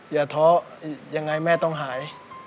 อย่าท้ออย่างไรแม่ต้องหาย